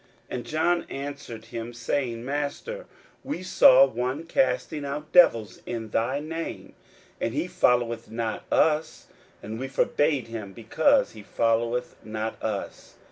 41:009:038 And John answered him, saying, Master, we saw one casting out devils in thy name, and he followeth not us: and we forbad him, because he followeth not us.